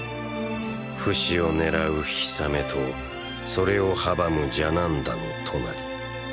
フシを狙うヒサメとそれを阻むジャナンダのトナリ。